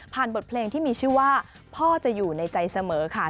บทเพลงที่มีชื่อว่าพ่อจะอยู่ในใจเสมอค่ะ